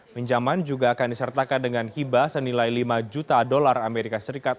pinjaman juga akan disertakan dengan hibah senilai lima juta dolar amerika serikat